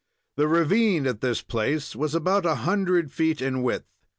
The ravine at this place was about a hundred feet in width.